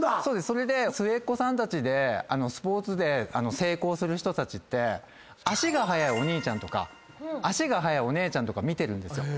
それで末っ子さんたちでスポーツで成功する人たちって足が速いお兄ちゃんとか足が速いお姉ちゃんとか見てるんですよ。